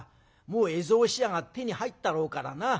もう絵草紙屋が手に入ったろうからな。